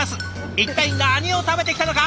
一体何を食べてきたのか